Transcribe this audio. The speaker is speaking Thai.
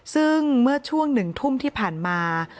ซึ่งเมื่อช่วง๑ทุ่มที่ผ่านมา